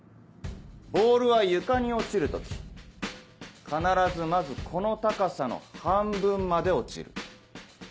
ボールは床に落ちる時必ずまずこの高さの半分まで落ちる。